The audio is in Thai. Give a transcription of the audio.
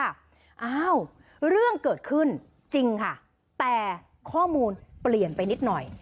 อ้าวเรื่องเกิดขึ้นจริงค่ะแต่ข้อมูลเปลี่ยนไปนิดหน่อย